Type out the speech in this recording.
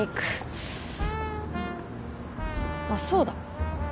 あっそうだ。